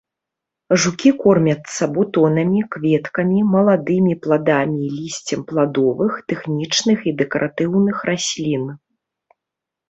Жукі кормяцца бутонамі, кветкамі, маладымі, пладамі і лісцем пладовых, тэхнічных і дэкаратыўных раслін.